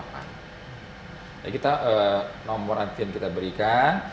jadi kita nomor antrian kita berikan